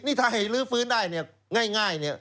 นี่ถ้าให้ลื้อฟื้นได้เนี่ยง่ายเนี่ย